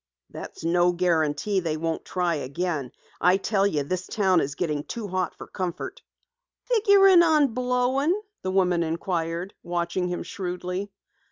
"That's no guarantee they won't try again. I tell you this town is getting too hot for comfort." "Figurin' on blowing?" the woman inquired, watching him shrewdly.